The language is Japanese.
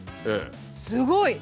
すごい！